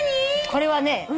これはね